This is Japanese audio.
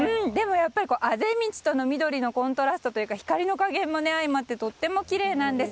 あぜ道との緑のコントラストが光の加減もあいまってとてもきれいなんです。